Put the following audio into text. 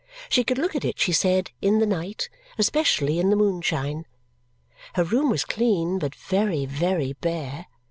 She could look at it, she said, in the night, especially in the moonshine. Her room was clean, but very, very bare.